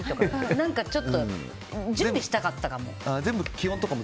何かちょっと準備したかったかも。